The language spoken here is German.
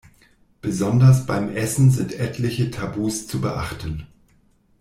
Besonders beim Essen sind etliche Tabus zu beachten.